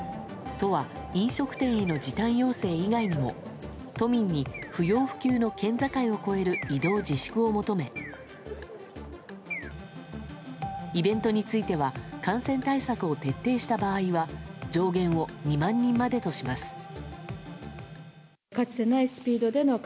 都は、飲食店への時短要請以外にも都民に不要不急の県境を越える移動自粛を求めイベントについては感染対策を徹底した場合は上限を２万人までとします。